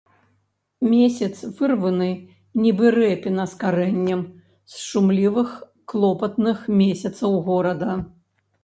Месяц вырваны, нібы рэпіна з карэннем, з шумлівых клопатных месяцаў горада.